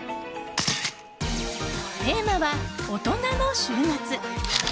テーマは、オトナの週末。